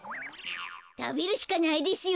たべるしかないですよね。